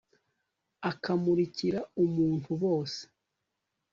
akamurikira umuntu bose